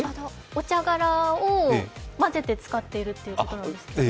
お茶柄を混ぜて使っているということです。